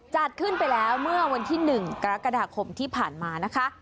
จัดขึ้นไปแล้วเมื่อวันที่๑กรกฎาคมที่ผ่านมานะคะ